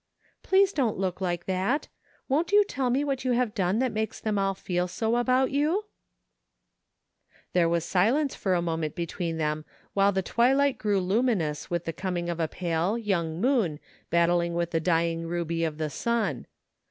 " Please don't look like that Won't you tell me what you have done that makes them all feel so about you ?" There was silence for a moment between them while the twilight grew luminous with the coming of a pale, young moon battling with the dying ruby of the sun.